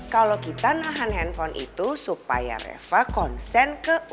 kalau kita nahan handphone itu supaya reva konsen kepadanya